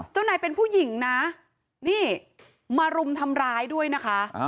เจ้านายเป็นผู้หญิงนะนี่มารุมทำร้ายด้วยนะคะ